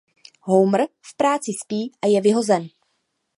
Homer v práci spí a je vyhozen.